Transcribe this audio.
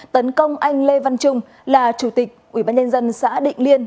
tấn công anh lê văn trung là chủ tịch ubnd xã định liên